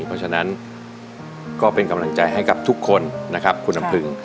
เพราะฉะนั้นก็เป็นกำลังใจให้กับทุกคนนะครับคุณลำพึง